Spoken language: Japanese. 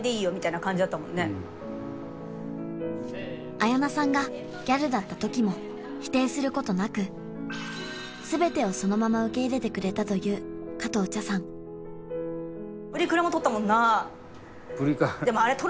綾菜さんがギャルだった時も否定することなく全てをそのまま受け入れてくれたという加藤茶さんプリクラも撮ったもんな